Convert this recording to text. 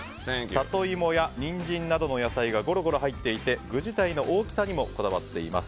サトイモやニンジンなどの野菜がごろごろ入っていて具自体の大きさにもこだわっています。